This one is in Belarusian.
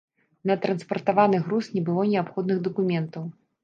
На транспартаваны груз не было неабходных дакументаў.